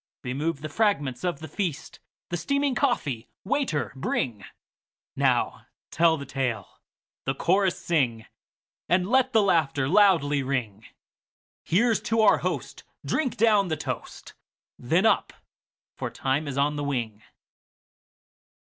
Remove the fragments of the feast! The steaming coffee, waiter, bringNow tell the tale, the chorus sing, And let the laughter loudly ring; Here 's to our host, drink down the toast, Then up! for time is on the wing.